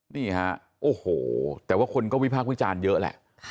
นี่ฮะโอ้โหแต่ว่าคนก็วิพากษ์วิจารณ์เยอะแหละ